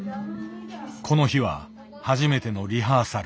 この日は初めてのリハーサル。